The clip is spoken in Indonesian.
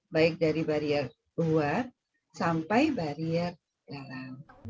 baik dari barier dua sampai barier dalam